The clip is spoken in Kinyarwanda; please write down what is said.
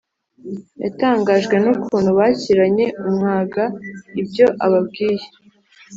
Yatangajwe n’ukuntu bakiranye umwaga ibyo ababwiye.